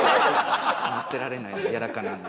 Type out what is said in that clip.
待ってられないんで、やわらかなるの。